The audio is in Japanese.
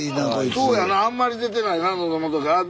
そうやなあんまり出てないな喉仏。